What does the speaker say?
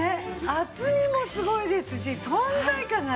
厚みもすごいですし存在感がね。